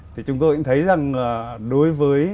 thì chúng tôi cũng thấy rằng là đối với